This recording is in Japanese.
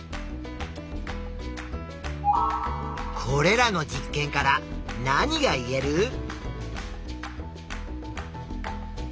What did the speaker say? これらの実験から何が言える？